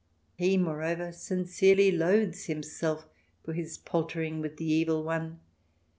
He, moreover, sincerely loathes himself for his paltering with the evil one.